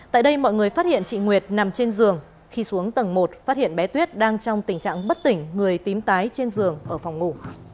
tại đây mọi người phát hiện chị nguyệt nằm trên giường khi xuống tầng một phát hiện bé tuyết đang trong tình trạng bất tỉnh người tím tái trên giường ở phòng ngủ